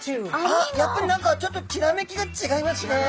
やっぱり何かちょっときらめきが違いますね。